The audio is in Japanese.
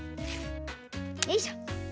よいしょ！